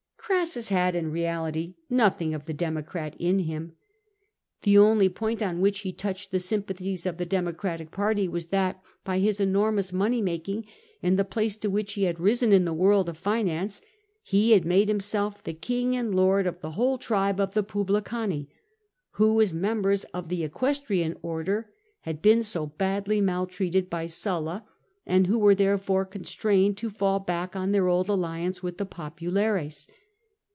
Crassus had in reality nothing of the Democrat in him. The only point on which he touched the sympathies of the Democratic party was that by his enormous money making, and the place to which he had risen in the world of finance, he had made himself the king and lord of the whole tribe of puhlicani, who, as members of the Equestrian Order, had been so badly maltreated by Sulla, and who were there fore constrained to fall back on their old alliance with the pojoulares.